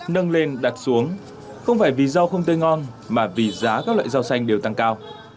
nâng lên đặt xuống không phải vì rau không tươi ngon mà vì giá các loại rau xanh đều tăng cao